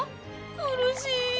苦しい。